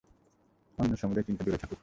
অন্য সমুদয় চিন্তা দূরে থাকুক।